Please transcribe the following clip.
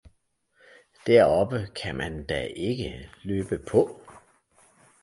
deroppe kan man da ikke løbe på!